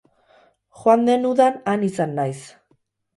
Joan den udan han izan naiz.